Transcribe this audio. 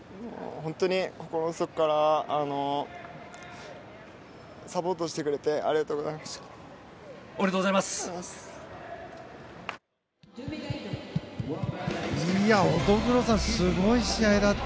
本当に心の底からサポートしてくれてありがとうございました。